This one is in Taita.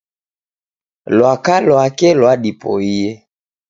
Lwaka lwake lwadipoie.